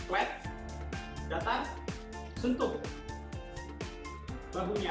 wet datang sentuh bahu nya